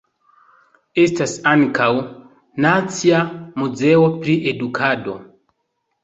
Estas ankaŭ "Nacia Muzeo pri Edukado".